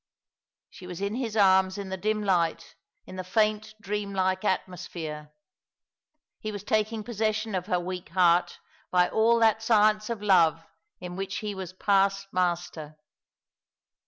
She was in his arms in the dim light, in the faint, dream like atmosphere. He was taking possession of her weak heart by all that science of love in which he was past master.